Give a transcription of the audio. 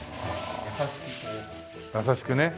優しくね。